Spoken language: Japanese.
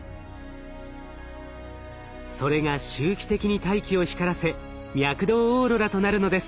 それが周期的に大気を光らせ脈動オーロラとなるのです。